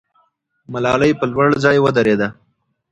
ملالۍ په لوړ ځای ودرېده.